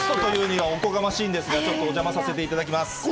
ゲストというにはおこがましいんですけど、お邪魔させていただきます。